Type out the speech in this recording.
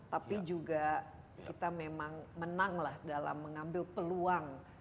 tapi juga kita memang menang dalam mengambil peluang